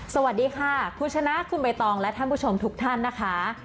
สวัสดีค่ะคุณชนะคุณใบตองและท่านผู้ชมทุกท่านนะคะ